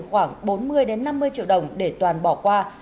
khoảng bốn mươi năm mươi triệu đồng để toàn bỏ qua